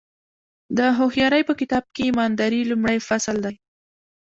د هوښیارۍ په کتاب کې ایمانداري لومړی فصل دی.